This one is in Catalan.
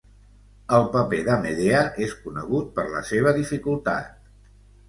El paper de Medea és conegut per la seva dificultat.